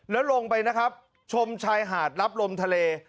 แล้วลงไปนะครับชมชายหาดรับลมทะเล